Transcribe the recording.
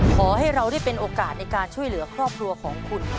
ขอให้เราได้เป็นโอกาสในการช่วยเหลือครอบครัวของคุณ